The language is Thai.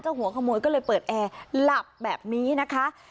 หัวขโมยก็เลยเปิดแอร์หลับแบบนี้นะคะ